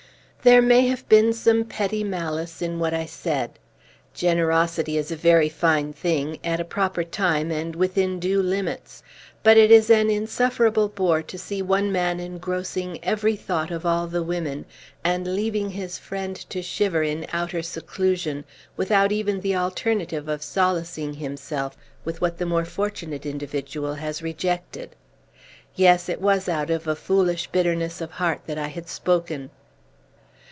There may have been some petty malice in what I said. Generosity is a very fine thing, at a proper time and within due limits. But it is an insufferable bore to see one man engrossing every thought of all the women, and leaving his friend to shiver in outer seclusion, without even the alternative of solacing himself with what the more fortunate individual has rejected. Yes, it was out of a foolish bitterness of heart that I had spoken.